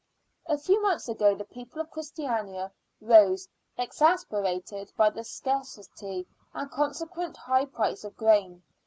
A few months ago the people of Christiania rose, exasperated by the scarcity and consequent high price of grain.